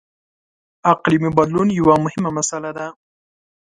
• اقلیمي بدلون یوه مهمه مسله ده.